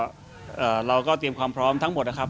กุญสือทีมชาติไทยเปิดเผยว่าน่าจะไม่มีปัญหาสำหรับเกมในนัดชนะเลิศครับ